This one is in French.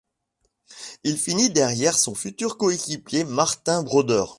Il finit derrière son futur coéquipier, Martin Brodeur.